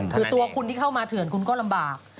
คือตัวคุณที่เข้ามาเถื่อนคุณก็ลำบาก